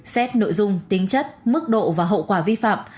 xét nội dung tính chất mức độ và hậu quả vi phạm